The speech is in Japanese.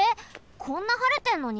こんなはれてんのに？